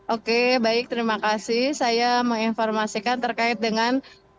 oke baik terima kasih saya menginformasikan terkait dengan